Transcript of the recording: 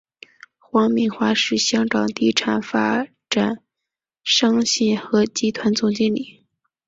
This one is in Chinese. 黄敏华是香港地产发展商信和集团总经理。